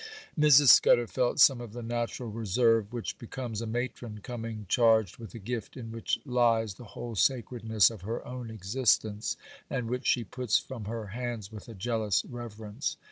Mrs. Scudder felt some of the natural reserve which becomes a matron coming charged with a gift in which lies the whole sacredness of her own existence, and which she puts from her hands with a jealous reverence.